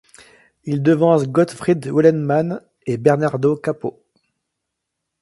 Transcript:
Il devance Gottfried Weilenmann et Bernardo Capó.